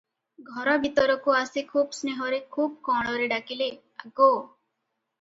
ଘର ଭିତରକୁ ଆସି ଖୁବ୍ ସ୍ନେହରେ ଖୁବ୍ କଅଁଳରେ ଡାକିଲେ, “ଆଗୋ!